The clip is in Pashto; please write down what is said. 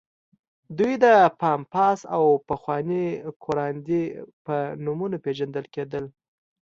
دوی د پامپاس او پخواني کوراندي په نومونو پېژندل کېدل.